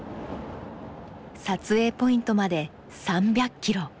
撮影ポイントまで３００キロ。